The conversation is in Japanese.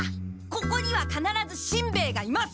ここにはかならずしんべヱがいます！